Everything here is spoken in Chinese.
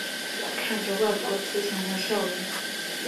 看着外婆慈祥的笑容